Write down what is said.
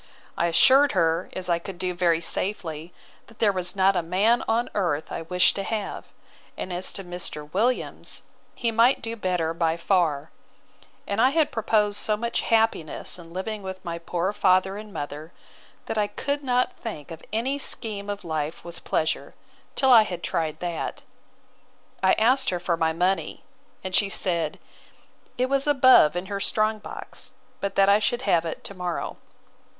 I assured her, as I could do very safely, that there was not a man on earth I wished to have: and as to Mr. Williams, he might do better by far: and I had proposed so much happiness in living with my poor father and mother, that I could not think of any scheme of life with pleasure, till I had tried that. I asked her for my money; and she said, it was above in her strong box, but that I should have it to morrow.